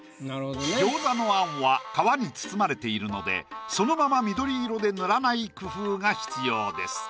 餃子の餡は皮に包まれているのでそのまま緑色で塗らない工夫が必要です。